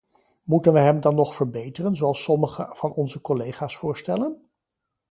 Moeten wij hem dan nog verbeteren, zoals sommige van onze collega's voorstellen?